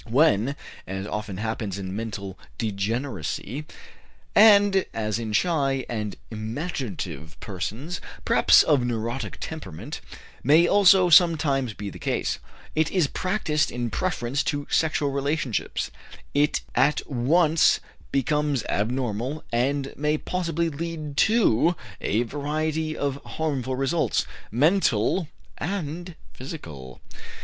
When, as often happens in mental degeneracy, and as in shy and imaginative persons, perhaps of neurotic temperament, may also sometimes become the case, it is practiced in preference to sexual relationships, it at once becomes abnormal and may possibly lead to a variety of harmful results, mental and physical.